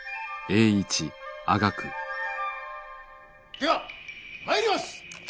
ではまいります。